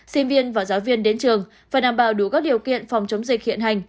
sinh viên và giáo viên đến trường phải đảm bảo đủ các điều kiện phòng chống dịch hiện hành